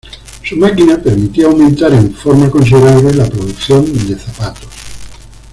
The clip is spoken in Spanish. Su máquina permitía aumentar en forma considerable la producción de zapatos.